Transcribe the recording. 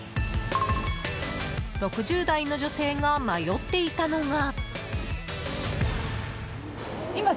６０代の女性が迷っていたのが。